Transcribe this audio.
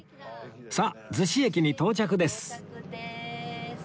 さあ逗子駅に到着です